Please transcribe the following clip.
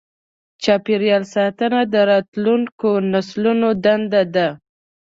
چاپېریال ساتنه د راتلونکو نسلونو دنده ده.